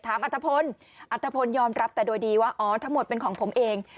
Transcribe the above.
อัตภพลอัตภพลยอมรับแต่โดยดีว่าอ๋อทั้งหมดเป็นของผมเอง